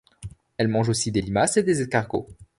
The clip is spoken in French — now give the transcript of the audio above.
Elle mange aussi des limaces et des escargots.